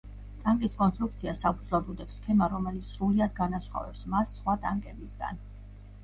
ტანკის კონსტრუქციას საფუძვლად უდევს სქემა, რომელიც სრულიად განასხვავებს მას სხვა ტანკებისგან.